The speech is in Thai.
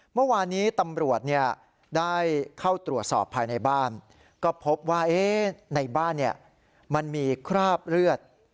เมื่อวานนี้ตำรวจได้เข้าตรวจสอบภายในบ้านก็พบว่าในบ้านมันมีคราบเลือด